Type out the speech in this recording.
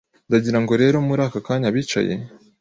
Ndagira ngo rero muri aka kanya abicaye